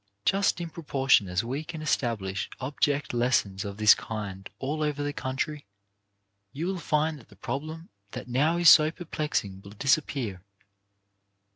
Just in proportion as we can establish object lessons of this kind all over the country, you will find that the problem that now is so perplexing will disappear.